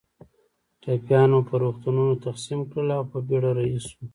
ټپیان مو پر روغتونونو تقسیم کړل او په بېړه رهي شوو.